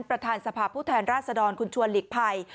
ประธานสภาพผู้แทนราชดรคุณชวนหลีกภัย